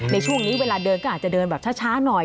ในช่วงนี้เวลาเดินก็อาจจะเดินแบบช้าหน่อย